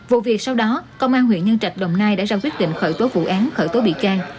vụ việc sau đó công an huyện nhân trạch đồng nai đã ra quyết định khởi tố vụ án khởi tố bị can